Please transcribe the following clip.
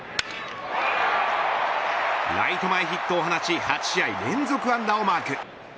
ライト前ヒットを放ち８試合連続安打をマーク。